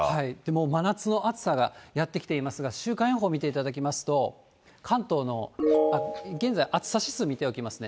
もう真夏の暑さがやって来ていますが、週間予報を見ていただきますと、関東の、現在、暑さ指数見ておきますね。